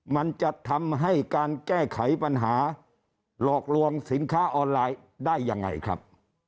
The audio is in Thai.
มันจะทำให้การแก้ไขปัญหาหลอกลวงสินค้าออนไลน์ได้ยังไงครับ